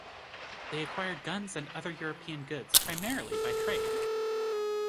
They acquired guns and other European goods primarily by trade.